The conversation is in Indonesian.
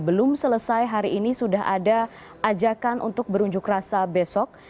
belum selesai hari ini sudah ada ajakan untuk berunjuk rasa besok